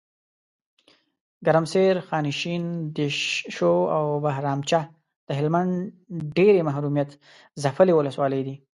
ګرمسیر، خانشین، دیشو اوبهرامچه دهلمند ډیري محرومیت ځپلي ولسوالۍ دي .